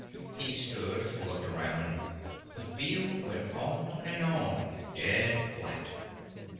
He stood, looked around. The field went on and on, dead flat.